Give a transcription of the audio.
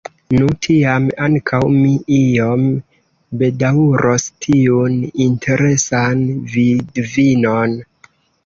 Nu, tiam ankaŭ mi iom bedaŭros tiun interesan vidvinon.